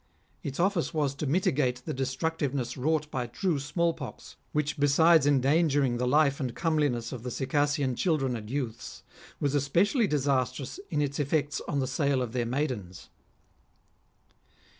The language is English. Its ofiice was to mitigate the destructiveness wrought by true small pox, which besides endangering the life and comeliness of the Circassian children and youths, was especially disastrous in its effects on the sale of their maidens.